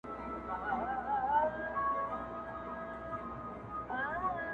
• راځه ولاړ سه له نړۍ د انسانانو -